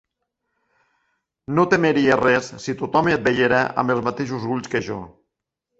No temeria res si tothom et veiera amb els mateixos ulls que jo.